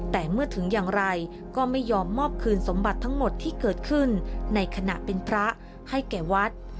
แต่เมื่อถึงอย่างไรก็ไม่ยอมมอบคืนสมบัติทั้งหมดที่เกิดขึ้นในขณะเป็นพระให้แก่วัด